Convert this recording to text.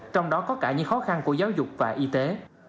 trong đó có cả những khó khăn của giáo dục và y tế